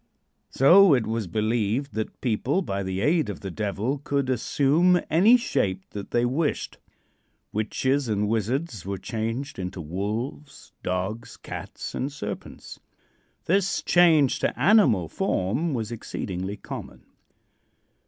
So, it was believed that people by the aid of the Devil could assume any shape that they wished. Witches and wizards were changed into wolves, dogs, cats and serpents. This change to animal form was exceedingly common.